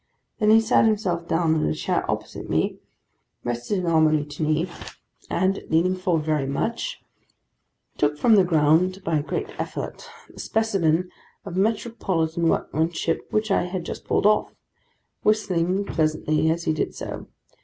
Then, he sat himself down on a chair opposite to me; rested an arm on each knee; and, leaning forward very much, took from the ground, by a great effort, the specimen of metropolitan workmanship which I had just pulled off: whistling, pleasantly, as he did so.